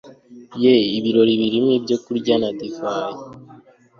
Ye ibirori birimo ibyokurya na divayi